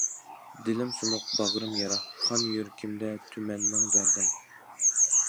دىلىم سۇنۇق باغرىم يارا، قان، يۈرىكىمدە تۈمەنمىڭ دەردىڭ.